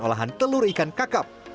olahan telur ikan kakap